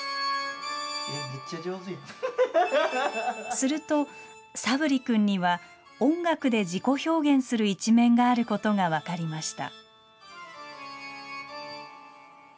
すると、佐分利君には音楽で自己表現する一面があることが分かりました。